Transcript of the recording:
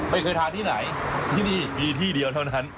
ไม่เคยทานที่ไหนที่นี่มีที่เดียวเท่านั้น